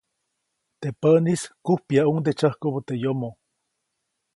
Teʼ päʼnis, kujpyäʼuŋde tsyäjkubä teʼ yomoʼ.